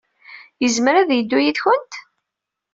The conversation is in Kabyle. Yezmer ad yeddu yid-went?